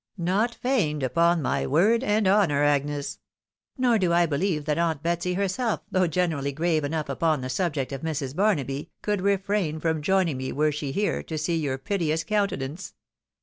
"" Not feigned, upon my word and honour, Agnes. Nor do I beheve that Aunt Betsy herself, though generally grave enough upon the subject of Mrs. Barnaby, could refrain from joining me were she here, to see your piteous countenance.